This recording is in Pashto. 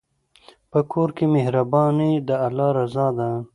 په کور کې مهرباني د الله رضا ده.